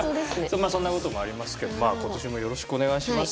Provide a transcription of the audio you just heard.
まあそんな事もありますけど今年もよろしくお願いします。